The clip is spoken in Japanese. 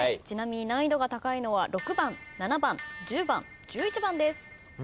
ちなみに難易度が高いのは６番７番１０番１１番です。